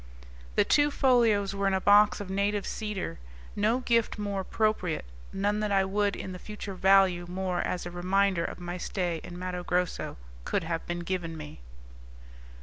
The two folios were in a box of native cedar. No gift more appropriate, none that I would in the future value more as a reminder of my stay in Matto Grosso, could have been given me.